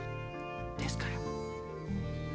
ですから。